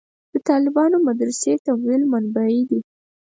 د طالبانو مدرسې تمویل منبعې دي.